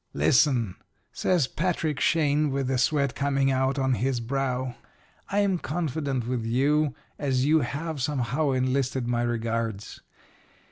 "'Listen,' says Patrick Shane, with the sweat coming out on his brow. 'I'm confidant with you, as you have, somehow, enlisted my regards.